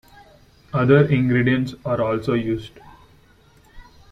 Other ingredients are also used.